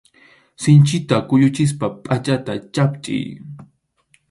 Sinchita kuyuchispa pʼachata chhapchiy.